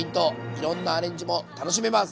いろんなアレンジも楽しめます！